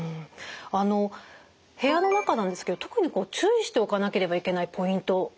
あの部屋の中なんですけど特に注意しておかなければいけないポイントありますか？